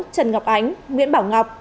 trần ngọc ánh nguyễn bảo ngọc